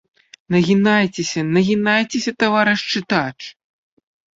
Нагінайцеся, нагінайцеся, таварыш чытач!